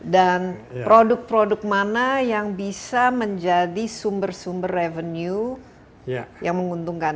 dan produk produk mana yang bisa menjadi sumber sumber revenue yang menguntungkan